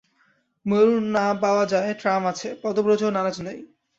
ময়ূর না পাওয়া যায়, ট্রাম আছে, পদব্রজেও নারাজ নই।